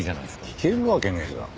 聞けるわけねえじゃん。